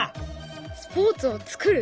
スポーツを作る？